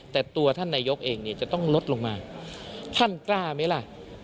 แต่ตัวท่านนายกเองเนี่ยจะต้องลดลงมาท่านกล้าไหมล่ะ